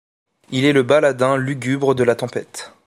Il est le baladin lugubre de la tempête.